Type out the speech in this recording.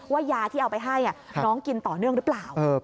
ยาที่เอาไปให้น้องกินต่อเนื่องหรือเปล่า